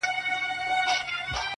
ګل د ګلاب بوی د سنځلي،